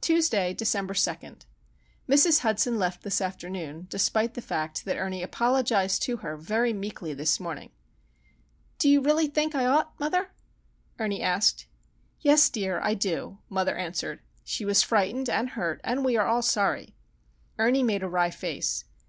Tuesday, December 2. Mrs. Hudson left this afternoon, despite the fact that Ernie apologised to her very meekly this morning. "Do you really think I ought, mother?" Ernie asked. "Yes, dear; I do," mother answered. "She was frightened and hurt and we are all sorry." Ernie made a wry face.